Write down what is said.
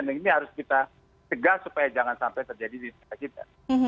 dan ini harus kita tegak supaya jangan sampai terjadi di india